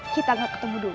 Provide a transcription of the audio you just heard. kita gak ketemu dulu